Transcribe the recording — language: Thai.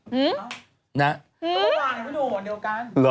สบายเลยเดี๋ยวกัน